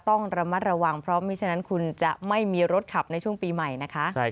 ต้องระมัดระวังเพราะไม่ฉะนั้นคุณจะไม่มีรถขับในช่วงปีใหม่นะคะ